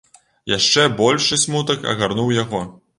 Яшчэ большы смутак агарнуў яго.